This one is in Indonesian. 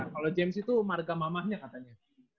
kalau james itu marga mamahnya katanya